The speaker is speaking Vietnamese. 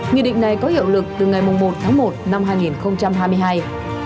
nghị định này có hiệu lực từ ngày một một hai nghìn hai mươi hai